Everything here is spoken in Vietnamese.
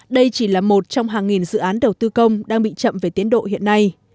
đây chỉ là một trong hàng nghìn dự án đầu tư công đang bị chậm về tiến độ hiện nay